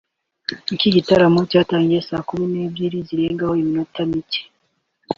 Iki gitaramo cyatangiye saa kumi n’ebyiri zirengaho iminota mike